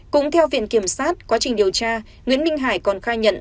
cũng theo viện kiểm sát quá trình điều tra nguyễn minh hải còn khai nhận